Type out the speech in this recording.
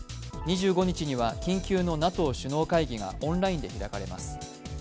２５日には緊急のＮＡＴＯ首脳会議がオンラインで開かれます。